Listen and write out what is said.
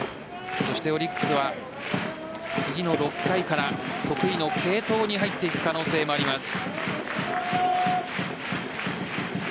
そしてオリックスは次の６回から得意の継投に入っていく可能性もあります。